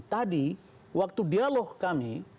tadi waktu dialog kami